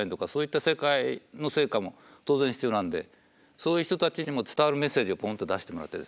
そういう人たちにも伝わるメッセージをポンと出してもらいたいですね。